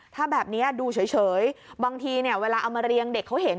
ถ้าแบบนี้ดูเฉยบางทีเนี่ยเวลาเอามาเรียงเด็กเขาเห็น